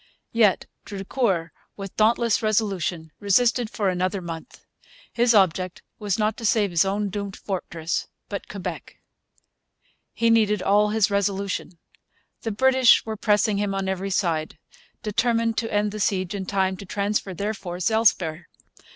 Yet Drucour, with dauntless resolution, resisted for another month. His object was not to save his own doomed fortress but Quebec. He needed all his resolution. The British were pressing him on every side, determined to end the siege in time to transfer their force elsewhere.